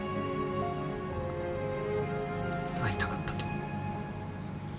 会いたかったと思う。